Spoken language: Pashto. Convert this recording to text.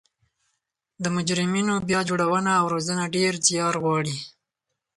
د مجرمینو بیا جوړونه او روزنه ډیر ځیار غواړي